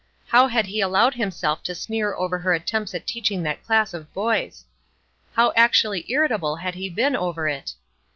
How had he allowed himself to sneer over her attempts at teaching that class of boys! How actually irritable he had been over it!